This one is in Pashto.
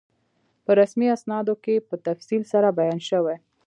په رسمي اسنادو کې په تفصیل سره بیان شوی.